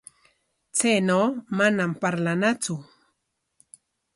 Chaynaw manam parlanatsu.